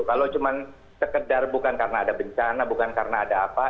kalau cuma sekedar bukan karena ada bencana bukan karena ada apa